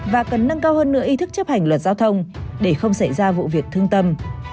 và cần nâng cao hơn nữa ý thức chấp hành luật giao thông để không xảy ra vụ việc thương tâm